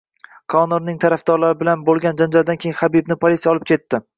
Konorning tarafdorlari bilan boʻlgan janjaldan keyin Xabibni politsiya olib ketdi.